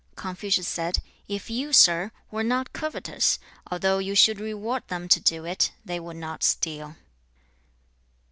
Confucius said, 'If you, sir, were not covetous, although you should reward them to do it, they would not steal.'